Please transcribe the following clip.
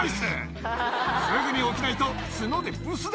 すぐに起きないと角でブスっだ。